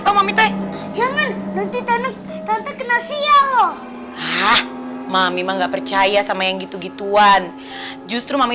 jangan nanti tante kena sial mami mah nggak percaya sama yang gitu gituan justru mami